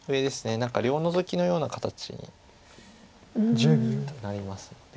何か両ノゾキのような形になりますので。